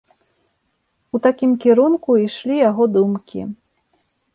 У такім кірунку ішлі яго думкі.